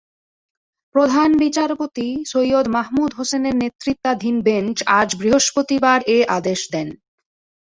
প্রধান বিচারপতি সৈয়দ মাহমুদ হোসেনের নেতৃত্বাধীন বেঞ্চ আজ বৃহস্পতিবার এ আদেশ দেন।